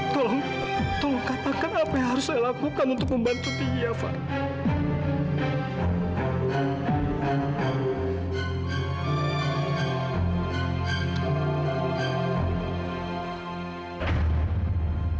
tolong katakan apa yang harus saya lakukan untuk membantu dia farah